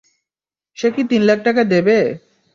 সে কি তিন লাখ টাকা দেবে?